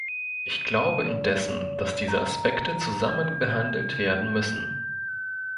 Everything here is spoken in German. Ich glaube indessen, dass diese Aspekte zusammen behandelt werden müssen.